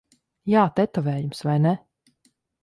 Jā, tetovējums. Vai ne?